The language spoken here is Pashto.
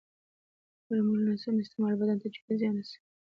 د درملو نه سم استعمال بدن ته جدي زیان رسوي.